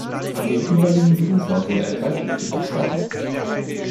Am gegenüberliegenden Ufer wurde er kaltblütig erstochen.